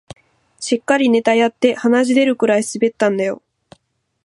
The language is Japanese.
しっかりネタやって鼻血出るくらい滑ったんだよ